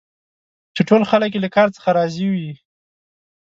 چي ټول خلک یې له کار څخه راضي وه.